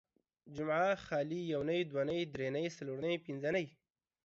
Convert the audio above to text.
جمعه ، خالي ، يونۍ ،دونۍ ، دري نۍ، څلور نۍ، پنځه نۍ